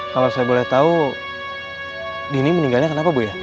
kalau saya boleh tahu dini meninggalnya kenapa bu ya